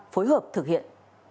phối hợp thực hiện